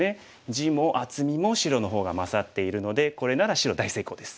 地も厚みも白の方が勝っているのでこれなら白大成功です。